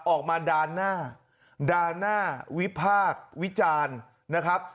ออกมาด่านหน้าด่านหน้าวิพากษ์วิจารณ์นะครับ